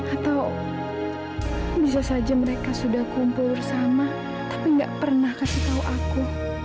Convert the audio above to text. atau bisa saja mereka sudah kumpul bersama tapi gak pernah kasih tahu aku